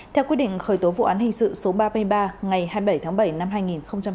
theo quy định khởi tố vụ án hình sự số ba mươi ba ngày hai mươi bảy tháng bảy năm hai nghìn hai mươi